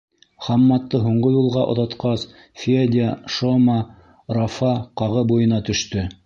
Хамматты һуңғы юлға оҙатҡас, Федя, Шома, Рафа Ҡағы буйына төштө.